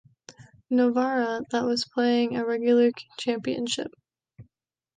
Novara, that was playing a regular championship.